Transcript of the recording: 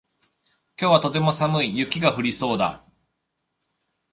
今日はとても寒い。雪が降りそうだ。